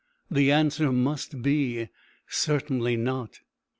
the answer must be, Certainly not.